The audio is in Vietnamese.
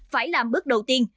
phải làm bước đầu tiên